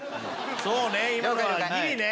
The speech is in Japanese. そうね！